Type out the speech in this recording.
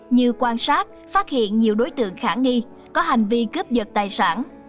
như quan sát phát hiện nhiều đối tượng khả nghi có hành vi cướp dật tài sản